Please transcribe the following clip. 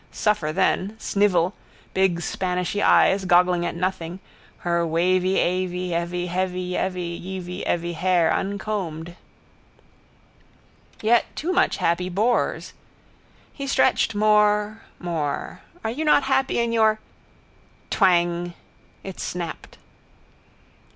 Suffer then. Snivel. Big spanishy eyes goggling at nothing. Her wavyavyeavyheavyeavyevyevyhair un comb:'d. Yet too much happy bores. He stretched more, more. Are you not happy in your? Twang. It snapped.